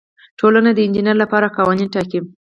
ټولنه د انجینر لپاره قوانین ټاکي.